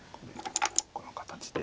この形で。